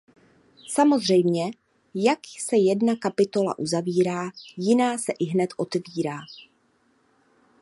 Samozřejmě jak se jedna kapitola uzavírá, jiná se ihned otevírá.